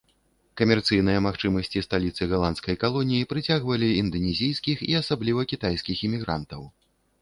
Камерцыйныя магчымасці сталіцы галандскай калоніі прыцягвалі інданезійскіх і асабліва кітайскіх імігрантаў.